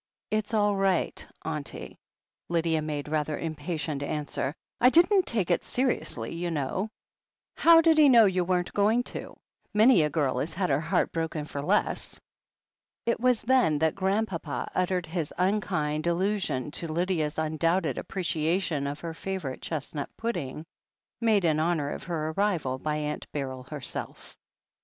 "It's all right, auntie," Lydia made rather impatient answer. "I didn't take it seriously, you know." "How did he know you weren't going to? Many a girl has had her heart broken for less." It was then that Grandpapa uttered his unkind allu sion to Lydia's tmdoubted appreciation of her favourite chestnut pudding, made in honour of her arrival by Atmt Beryl {lerself